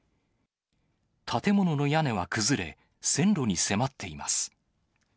建物の屋根は崩れ、線路に迫っています。